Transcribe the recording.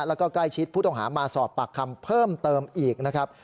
แล้วก็ใกล้ชิดผู้ต้องหามาสอบปากคำเพิ่มเติมอีกนะครับ